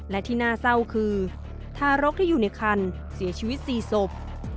และที่น่าเศร้าคือทารกที่อยู่ในคันเสียชีวิต๔ศพ